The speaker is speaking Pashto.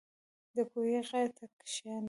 • د کوهي غاړې ته کښېنه.